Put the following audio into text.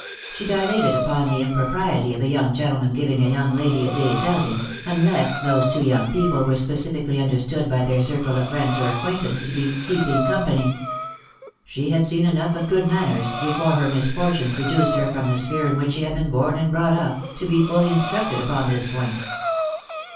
She dilated upon the impropriety of a young gentleman giving a young lady a day's outing, unless those two young people were specifically understood by their circle of friends or acquain tance to be " keeping company." She had seen enough of good manners, before her misfortunes reduced her from the sphere in which she had been bora and brought up, to be fully instructed upon this point.